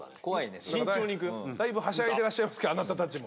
だいぶはしゃいでらっしゃいますからあなたたちも。